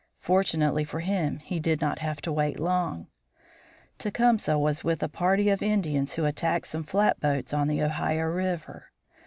Fortunately for him he did not have to wait long. Tecumseh was with a party of Indians who attacked some flatboats on the Ohio River.